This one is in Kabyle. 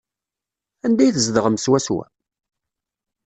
Anda ay tzedɣem swaswa?